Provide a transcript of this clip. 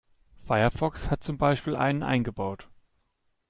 Firefox hat zum Beispiel einen eingebaut.